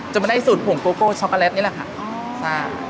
จะมาได้สูตรผงโกโก้ช็อกโกแลตนี่แหละค่ะ